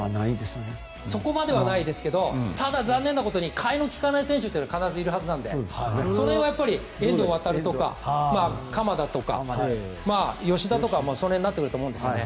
そこまではないですけどただ、残念なことに替えの利かない選手というのはいるはずなのでそれは遠藤航とか鎌田とか吉田とか、その辺になってくると思うんですよね。